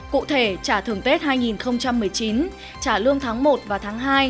cụ thể trả thưởng tết hai nghìn một mươi chín trả lương tháng một và tháng hai